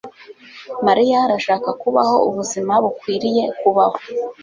Mariya arashaka kubaho ubuzima bukwiriye kubaho.